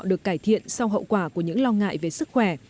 được cải thiện sau hậu quả của những lo ngại về sức khỏe